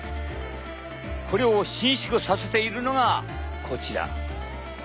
これを伸縮させているのがこちら！